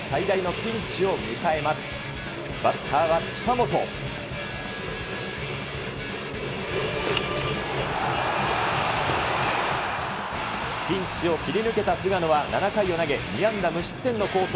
ピンチを切り抜けた菅野は７回を投げ、２安打無失点の好投。